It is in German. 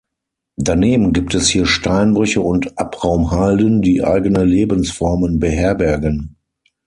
Daneben gibt es hier Steinbrüche und Abraumhalden, die eigene Lebensformen beherbergen.